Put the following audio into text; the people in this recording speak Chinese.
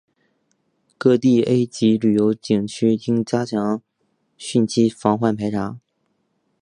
各地 A 级旅游景区应加强汛期隐患排查